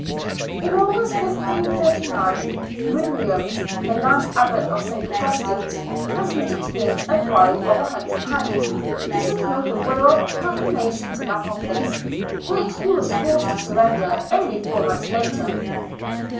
In August, 1539, Gwylliams, the last abbot of St. Augustine's, transmitted him a bribe of £100 to secure the Royal confirmation to that office, which he was forced to surrender only four months later.)